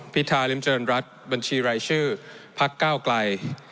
พิธาริมเจริญรัฐบัญชีรายชื่อพักก้าวไกล